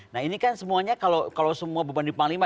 nah ini kan semuanya kalau semua beban di panglima